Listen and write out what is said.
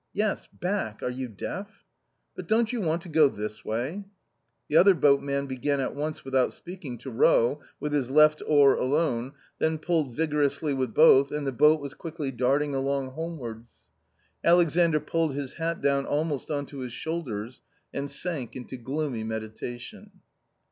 " Yes, back ; are you deaf? "" But don't you want to go this way ?" The other boatman began at once without speaking to row with his left oar alone, then pulled vigorously with both, and the boat was quickly darting along homewards. Alexandr pulled his hat down almost on to his shoulders and sank into gloomy meditation.